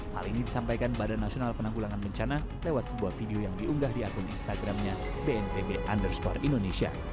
hal ini disampaikan badan nasional penanggulangan bencana lewat sebuah video yang diunggah di akun instagramnya bnpb underscore indonesia